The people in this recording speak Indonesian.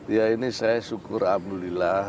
ya ini saya syukur alhamdulillah